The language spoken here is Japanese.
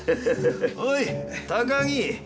おい高木。